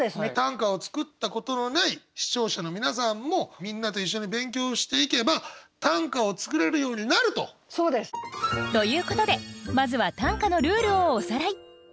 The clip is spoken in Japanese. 短歌を作ったことのない視聴者の皆さんもみんなと一緒に勉強していけば短歌を作れるようになると。ということでまずは短歌のルールをおさらい。